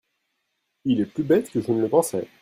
Il est plus bête que je ne le pensais.